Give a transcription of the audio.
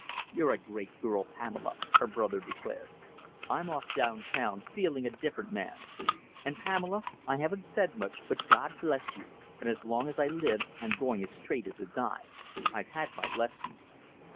"You're a great girl, Pamela," her brother declared. "I'm off downtown, feeling a different man. And, Pamela, I haven't said much, but God bless you, and as long as I live I'm going as straight as a die. I've had my lesson."